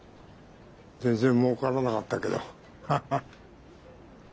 全然もうからなかったけどハハ。